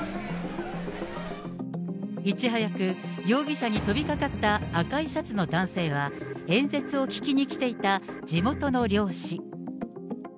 いち早く容疑者に飛びかかった赤いシャツの男性は、演説を聞きに来ていた地元の漁師。